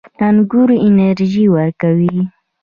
انګور انرژي ورکوي